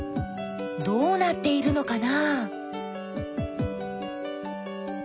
どうなっているのかな？